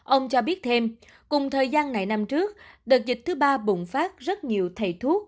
ông cho biết thêm cùng thời gian này năm trước đợt dịch thứ ba bùng phát rất nhiều thầy thuốc